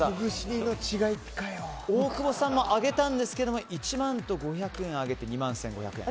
大久保さんも上げたんですが１万と５００円上げて２万１５００円。